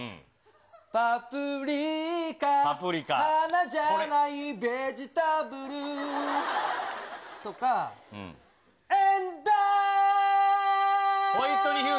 パプリカ花じゃないベジタブル。とか、エンダー。